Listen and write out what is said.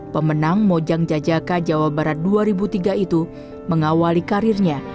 pemenang mojang jajaka jawa barat dua ribu tiga itu mengawali karirnya